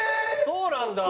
そうなんだ。